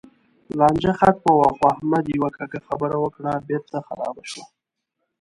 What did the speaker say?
لانجه ختمه وه؛ خو احمد یوه کږه خبره وکړه، بېرته خرابه شوه.